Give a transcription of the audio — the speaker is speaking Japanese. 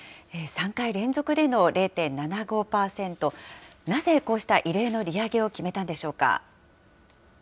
３回連続での０．７５％、なぜこうした異例の利上げを決めたんでしょうか。